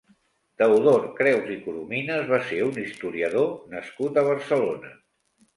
Teodor Creus i Corominas va ser un historiador nascut a Barcelona.